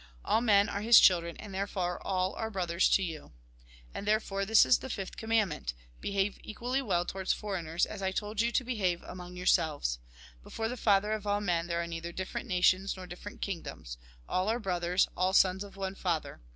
All men are His children, and therefore all are brothers to you. And, therefore, this is the fifth commandment : Behave equally well towards foreigners, as I told you to behave among yourselves. Before the Father of all men there are neither different nations nor different kingdoms : all are brothers, all sons of one Father.